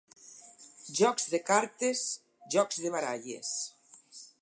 Jocs de cartes, jocs de baralles.